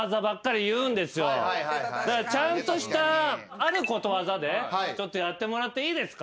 ちゃんとしたあることわざでちょっとやってもらっていいですか？